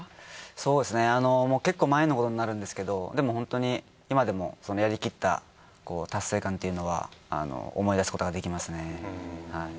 そうですね結構前のことになるんですけどでも本当に今でもやり切った達成感っていうのは思い出すことができますねはい。